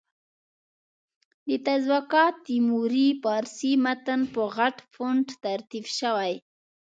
د تزوکات تیموري فارسي متن په غټ فونټ ترتیب شوی.